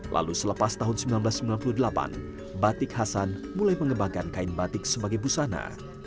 lalu selepas tahun seribu sembilan ratus sembilan puluh delapan batik hasan mulai mengembangkan kain batik sebagai busana